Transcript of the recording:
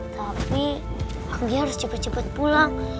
tapi anggi harus cepet cepet pulang